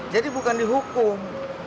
jadi bukan dihukum